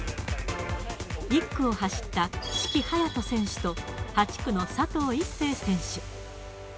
１区を走った志貴勇斗選手と、８区の佐藤一世選手。